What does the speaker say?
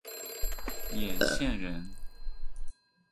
剡县人。